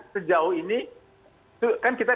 sejauh ini kan kita